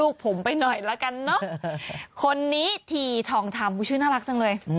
คนนี้ทีทองทำคุณชื่อน่ารักจังเลย